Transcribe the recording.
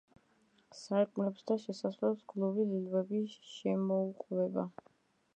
სარკმლებს და შესასვლელს გლუვი ლილვები შემოუყვება.